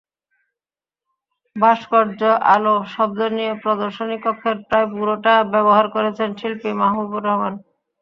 ভাস্কর্য, আলো, শব্দ নিয়ে প্রদর্শনীকক্ষের প্রায় পুরোটা ব্যবহার করেছেন শিল্পী মাহবুবুর রহমান।